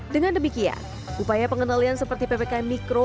dengan demikian upaya pengenalian seperti ppk mikro